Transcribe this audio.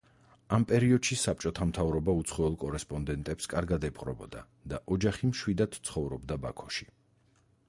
ამ პერიოდში, საბჭოთა მთავრობა უცხოელ კორესპონდენტებს კარგად ეპყრობოდა და ოჯახი მშვიდად ცხოვრობდა ბაქოში.